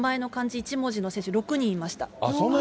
１文字の選手６人いました。